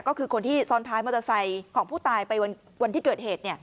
ก็คือคนที่ซ้อนท้ายมอเตอร์ไซค์ของผู้ตายไปวันที่เกิดเหตุ